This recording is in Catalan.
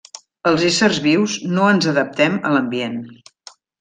Els éssers vius no ens adaptem a l'ambient.